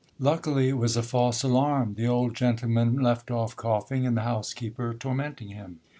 Luckily it was a false alarm ; the old gentleman left off coughing, and the housekeeper tormenting him.